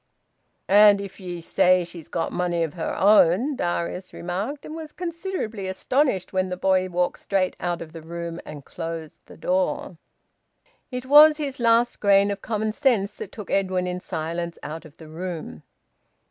"And if as ye say she's got money of her own " Darius remarked, and was considerably astonished when the boy walked straight out of the room and closed the door. It was his last grain of common sense that took Edwin in silence out of the room.